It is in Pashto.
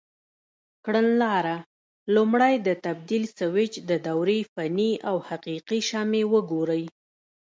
کړنلاره: لومړی د تبدیل سویچ د دورې فني او حقیقي شمې وګورئ.